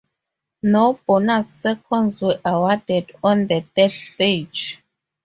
No bonus seconds were awarded on the third stage.